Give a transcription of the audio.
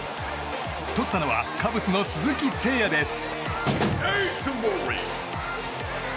とったのはカブスの鈴木誠也です。